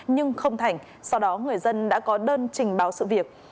nhưng không thành sau đó người dân đã có đơn trình báo sự việc